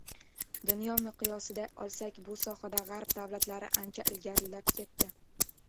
Dunyo miqyosida olsak, bu sohada G‘arb davlatlari ancha ilgarilab ketdi.